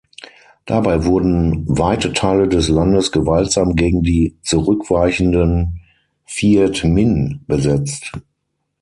Dabei wurden weite Teile des Landes gewaltsam gegen die zurückweichenden Viet Minh besetzt.